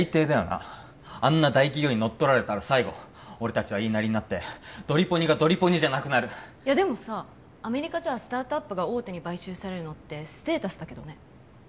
なあんな大企業に乗っ取られたら最後俺達は言いなりになってドリポニがドリポニじゃなくなるいやでもさアメリカじゃスタートアップが大手に買収されるのってステータスだけどね